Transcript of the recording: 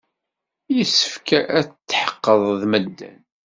Yessefk ad tḥedqed d medden.